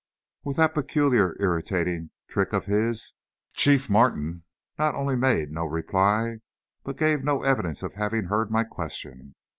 With that peculiarly irritating trick of his, Chief Martin not only made no reply but gave no evidence of having heard my question.